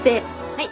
はい。